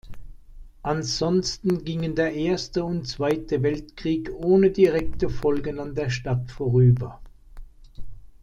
Ansonsten gingen der Erste und Zweite Weltkrieg ohne direkte Folgen an der Stadt vorüber.